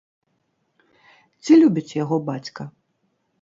Ці любіць яго бацька?